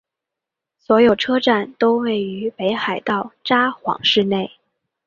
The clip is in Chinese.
所有车站都位于北海道札幌市内。